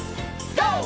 ＧＯ！